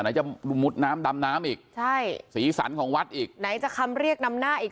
ไหนจะมุดน้ำดำน้ำอีกใช่สีสันของวัดอีกไหนจะคำเรียกนำหน้าอีก